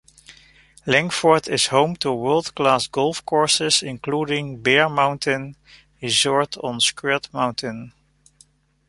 Langford is home to world-class golf courses including Bear Mountain Resort on Skirt Mountain.